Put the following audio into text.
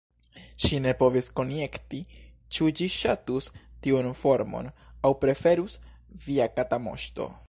Ŝi ne povis konjekti ĉu ĝi ŝatus tiun formon, aŭ preferus "Via kata moŝto."